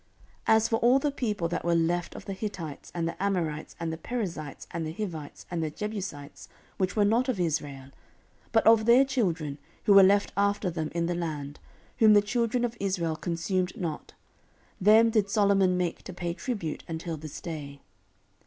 14:008:007 As for all the people that were left of the Hittites, and the Amorites, and the Perizzites, and the Hivites, and the Jebusites, which were not of Israel, 14:008:008 But of their children, who were left after them in the land, whom the children of Israel consumed not, them did Solomon make to pay tribute until this day.